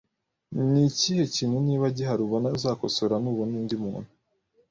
Ni ikihe kintu niba gihari ubona uzakosora nubona undi muntu